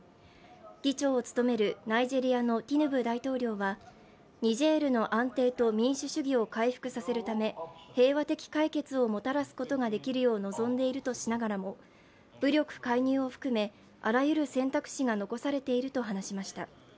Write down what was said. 議長を務めるナイジェリアのティヌブ大統領は、ニジェールの安定と民主主義を回復させるため平和的解決をもたらすことができるよう望んでいるとしながらも、武力介入を含め、あらゆる選択肢が残されていると話しました。